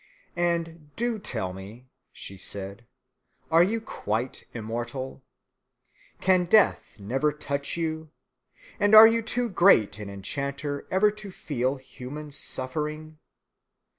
"And do tell me," she said, "are you quite immortal? Can death never touch you? And are you too great an enchanter ever to feel human suffering?"